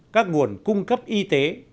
các nguồn cung cấp y tế